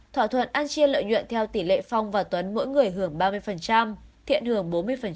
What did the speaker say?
thỏa thuận ăn chia lợi nhuận theo tỷ lệ phong và tuấn mỗi người hưởng ba mươi thiện hưởng bốn mươi